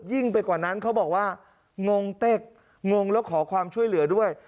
ยิ่งไปกว่านั้นเขาบอกว่างงเต็กงงแล้วขอความช่วยเหลือด้วย